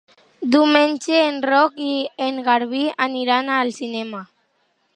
Diumenge en Roc i en Garbí aniran al cinema.